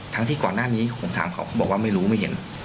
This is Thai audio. ที่ก่อนหน้านี้ผมถามเขาเขาบอกว่าไม่รู้ไม่เห็น